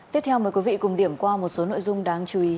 tiếp theo mời quý vị cùng điểm qua một số nội dung đáng chú ý